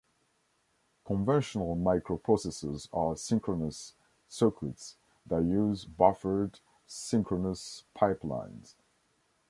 Conventional microprocessors are synchronous circuits that use buffered, synchronous pipelines.